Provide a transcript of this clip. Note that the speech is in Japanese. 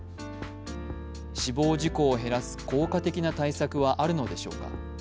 死亡事故を減らす効果的な対策はあるのでしょうか。